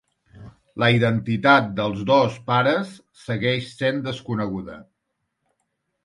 La identitat dels dos pares segueix sent desconeguda.